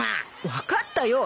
分かったよ。